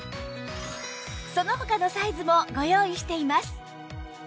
そのほかのサイズもご用意しています